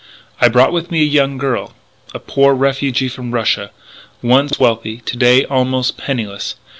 I brought with me a young girl a poor refugee from Russia, once wealthy, to day almost penniless....